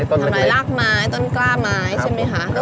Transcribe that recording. ทำร้ายรากไม้ต้นกล้าไม้ใช่ไหมคะ